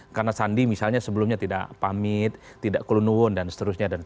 karena sandi misalnya sebelumnya tidak pamit tidak kelunuwun dan seterusnya